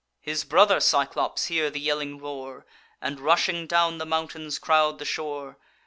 His brother Cyclops hear the yelling roar, And, rushing down the mountains, crowd the shore.